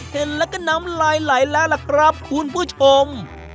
เห็นแล้วก็น้ำลายไหลแล้วล่ะครับคุณผู้ชม